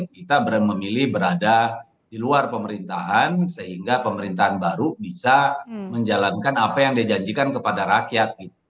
kita memilih berada di luar pemerintahan sehingga pemerintahan baru bisa menjalankan apa yang dia janjikan kepada rakyat